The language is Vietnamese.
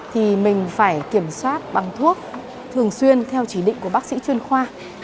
thì mình phải kiểm soát bằng thuốc thường xuyên theo chỉ định của bác sĩ chuyên khoa